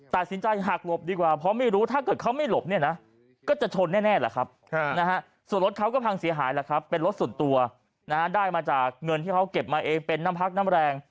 ตัดสินใจหักหลบดีกว่าเพราะไม่รู้ถ้าเกิดเขาไม่หลบเนี่ยนะก็จะชนแน่แหละครับส่วนรถเขาก็พังเสียหายแหละครับเป็นรถส่วนตัวได้มาจากเงินที่เขาเก็บมาเองเป็นน้ำพักน้ำแรง